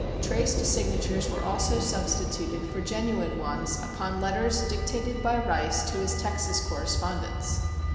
Traced signatures were also substituted for genuine ones upon letters dictated by Rice to his Texas correspondents.